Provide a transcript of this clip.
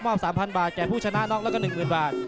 ๓๐๐บาทแก่ผู้ชนะน็อกแล้วก็๑๐๐๐บาท